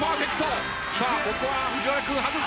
さあここは藤原君外す。